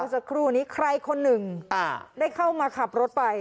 สักครู่นี้ใครคนหนึ่งได้เข้ามาขับรถไป